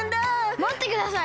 まってください。